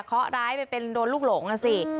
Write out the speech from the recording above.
เขาร้ายไปเป็นโดนลูกหลงอ่ะสิ